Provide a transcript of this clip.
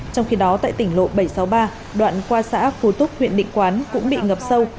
trong khi đó tại tỉnh lộ bảy trăm sáu mươi ba đoạn qua xã phú túc huyện định quán cũng bị ngập sâu